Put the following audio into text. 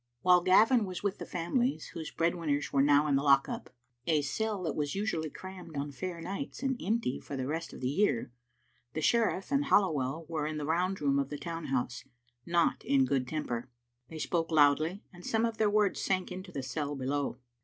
While Gavin was with the families whose bread winners were now in the lock up, a cell that was usually crammed on fair nights and empty for the rest of the year, the sheriff and Halliwell were in the round room of the town house, not in a good temper. They spoke loudly, and some of their words sank into the cell below.